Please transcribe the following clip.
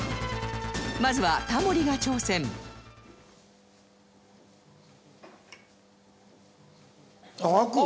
まずはタモリが挑戦開く！